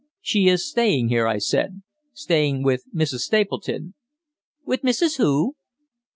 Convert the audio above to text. "She is staying here," I said, "staying with Mrs. Stapleton." "With Mrs. who?"